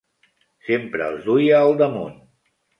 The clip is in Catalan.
Sempre els duia al damunt.